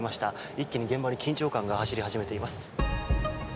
一気に現場に緊張感が走り始めています。